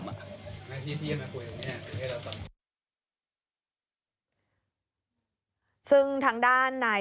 ผมเชื่อเลยร้อยทั้งร้อยนะ